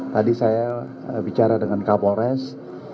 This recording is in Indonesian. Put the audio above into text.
tadi saya bicara dengan kapolres